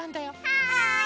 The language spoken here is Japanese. はい！